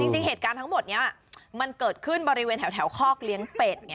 จริงเหตุการณ์ทั้งหมดนี้มันเกิดขึ้นบริเวณแถวคอกเลี้ยงเป็ดไง